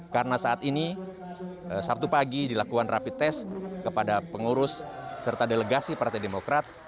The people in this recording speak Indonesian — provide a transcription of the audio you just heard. karena saat ini sabtu pagi dilakukan rapi tes kepada pengurus serta delegasi partai demokrat